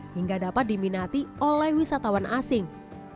hingga dapat diminati oleh wisatawan asing